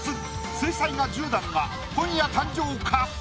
水彩画１０段が今夜誕生か